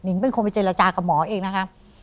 เป็นคนไปเจรจากับหมอเองนะครับ